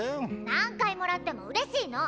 何回もらっても嬉しいの！